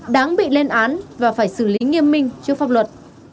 đáng bị lên án và phải xử lý nghiêm minh trước pháp luật